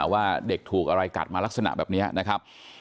ว่าเด็กถูกอะไรกัดมาลักษณะแบบนี้นะครับ